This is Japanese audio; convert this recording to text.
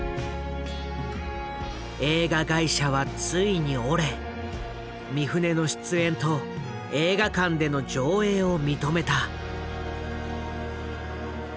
映画会社はついに折れ三船の出演と映画館での上映を認めた。